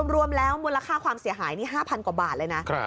รวมแล้วมูลค่าความเสียหายนี่๕๐๐กว่าบาทเลยนะ